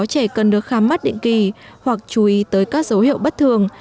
trẻ cần được khám mắt định kỳ hoặc chú ý tới các dấu hiệu bất thường